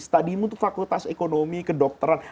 bekerja untuk fakultas ekonomi kedokteran